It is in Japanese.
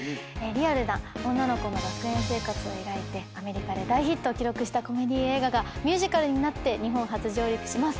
リアルな女の子の学園生活を描いてアメリカで大ヒットを記録したコメディー映画がミュージカルになって日本初上陸します。